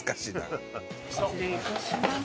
失礼いたします。